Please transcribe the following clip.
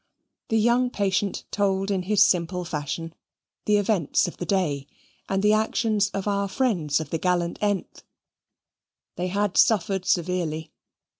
The young patient told in his simple fashion the events of the day, and the actions of our friends of the gallant th. They had suffered severely.